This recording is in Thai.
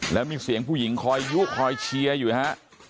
แล้วมีเสียงผู้หญิงคอยยุคอยเชียร์อยู่ฮะ